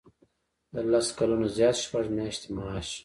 د لس کلونو نه زیات شپږ میاشتې معاش.